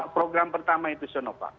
program pertama itu sinova